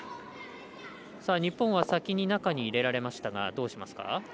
日本は先に中に入れられましたがどうしますか。